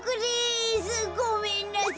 ごめんなさい。